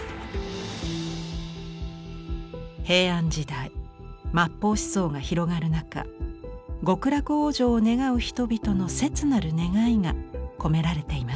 平安時代末法思想が広がる中極楽往生を願う人々の切なる願いが込められています。